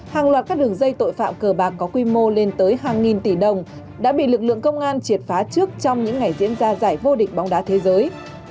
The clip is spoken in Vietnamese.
hàng loạt các đường dây tội phạm cờ bạc có quy mô lên tới hàng nghìn tỷ đồng đã bị lực lượng công an triệt phá trước trong những ngày diễn ra giải vô địch bóng đá thế giới